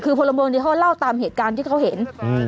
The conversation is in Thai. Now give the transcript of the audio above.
คือพลเมืองดีเขาเล่าตามเหตุการณ์ที่เขาเห็นอืม